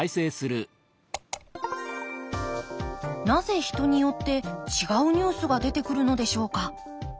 なぜ人によって違うニュースが出てくるのでしょうか。